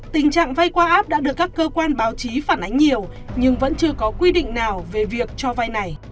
tình trạng vay qua app đã được các cơ quan báo chí phản ánh nhiều nhưng vẫn chưa có quy định nào về việc cho vai này